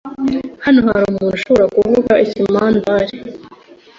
Hano hari umuntu ushobora kuvuga Ikimandare?